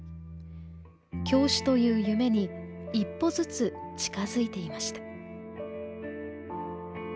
教師という夢に一歩ずつ近づいていました。